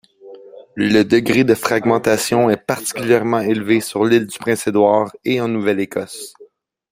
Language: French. Le degré de fragmentation est particulièrement élevé sur l'Île-du-Prince-Édouard et en Nouvelle-Écosse.